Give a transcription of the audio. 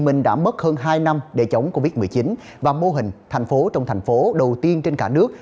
minh đã mất hơn hai năm để chống covid một mươi chín và mô hình thành phố trong thành phố đầu tiên trên cả nước